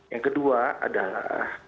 yang kedua adalah